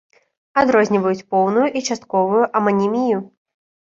Адрозніваюць поўную і частковую аманімію.